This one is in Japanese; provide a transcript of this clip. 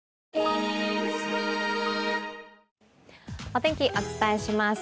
お天気、お伝えします。